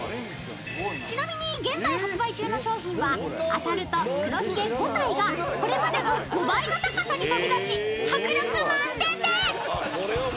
［ちなみに現在発売中の商品は当たると黒ひげ５体がこれまでの５倍の高さに飛び出し迫力満点です］